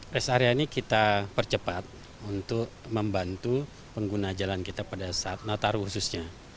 rest area ini kita percepat untuk membantu pengguna jalan kita pada saat nataru khususnya